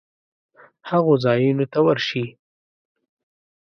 هغو ځایونو ته ورشي